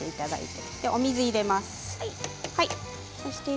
それでお水を入れます。